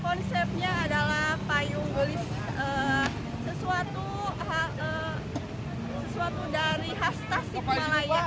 konsepnya adalah payung gelis sesuatu dari khas tasik malaya